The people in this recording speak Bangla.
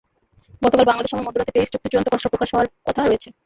গতকাল বাংলাদেশ সময় মধ্যরাতে প্যারিস চুক্তির চূড়ান্ত খসড়া প্রকাশ হওয়ার কথা রয়েছে।